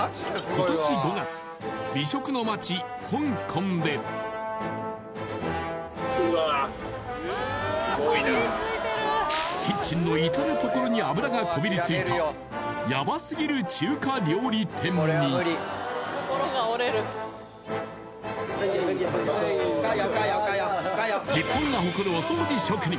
今年５月美食の街香港でうわーっすごいなキッチンのいたる所に油がこびりついたヤバすぎる中華料理店に日本が誇るお掃除職人